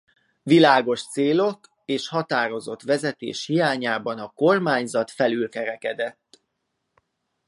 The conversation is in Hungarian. Világos célok és határozott vezetés hiányában a kormányzat felülkerekedett.